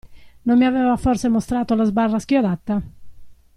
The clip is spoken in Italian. Non mi aveva forse mostrato la sbarra schiodata?